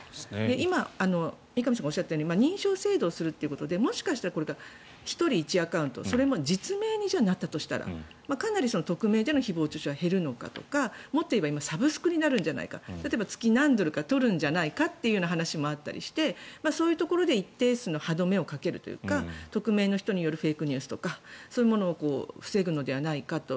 今、三上さんがおっしゃったように認証制度をするということでもしかしたらこれから１人１アカウントそれも、実名になったとしたらかなり匿名での誹謗・中傷は減るのかとかもっと言えばサブスクになるんじゃないか例えば、月何ドルか取るんじゃないかという話もあったりしてそういうところで一定数の歯止めをかけるというか匿名の人によるフェイクニュースとかそういうものを防ぐのではないかと。